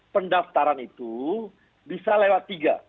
pendaftaran itu bisa lewat tiga